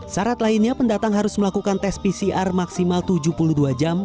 syarat lainnya pendatang harus melakukan tes pcr maksimal tujuh puluh dua jam